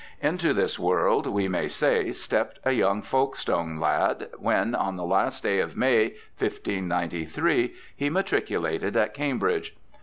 Into this world, we may say, stepped a young Folke stone lad, when, on the last day of May, 1593, he matriculated at Cambridge.